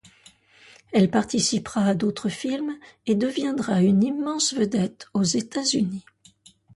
Elle participera à d'autres films et deviendra une immense vedette aux États-Unis.